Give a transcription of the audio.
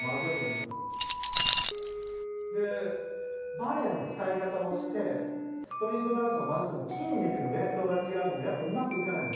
バレエの使い方をしてストリートダンスを混ぜても筋肉の連動が違うのでやっぱうまくいかないんですよね。